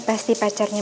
kamu pencu dieu